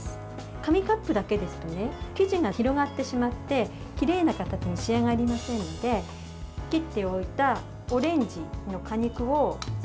紙カップだけですと生地が広がってしまってきれいな形に仕上がりませんので切っておいたオレンジの果肉を。